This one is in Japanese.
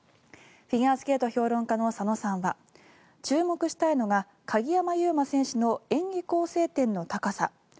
フィギュアスケート評論家の佐野さんは注目したいのが鍵山優真選手の演技構成点の高さ。